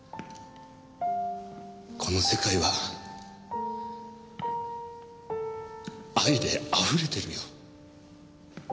この世界は愛であふれてるよ。